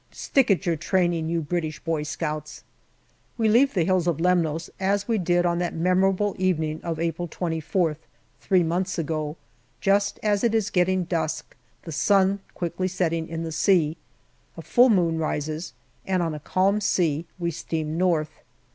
Stick at your training, you British Boy Scouts ! We leave the hills of Lemnos, as we did on that memor able evening of April 24th, three months ago, just as it is getting dusk, the sun quickly setting in the sea. A full moon rises, and on a calm sea we steam north.